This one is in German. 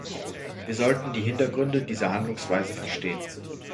Wir sollten die Hintergründe dieser Handlungsweise verstehen.